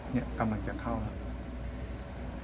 นี่กำลังจะเข้าแล้ว